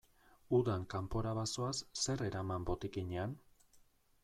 Udan kanpora bazoaz, zer eraman botikinean?